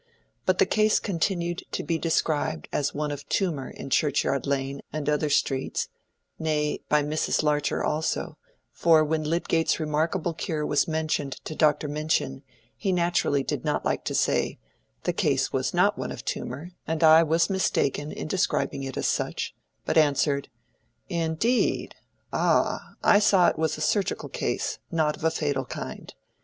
But the case continued to be described as one of tumor in Churchyard Lane and other streets—nay, by Mrs. Larcher also; for when Lydgate's remarkable cure was mentioned to Dr. Minchin, he naturally did not like to say, "The case was not one of tumor, and I was mistaken in describing it as such," but answered, "Indeed! ah! I saw it was a surgical case, not of a fatal kind."